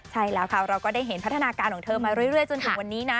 ใช่แล้วค่ะเราก็ได้เห็นพัฒนาการของเธอมาเรื่อยจนถึงวันนี้นะ